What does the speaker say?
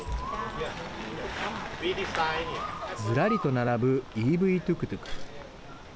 ずらりと並ぶＥＶトゥクトゥク。